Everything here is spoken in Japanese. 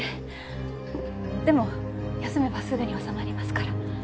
でも休めばすぐに治まりますから。